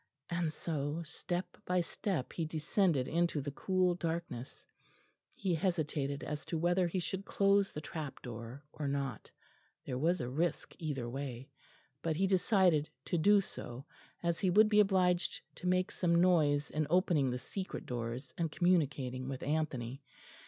And so step by step he descended into the cool darkness. He hesitated as to whether he should close the trap door or not, there was a risk either way; but he decided to do so, as he would be obliged to make some noise in opening the secret doors and communicating with Anthony.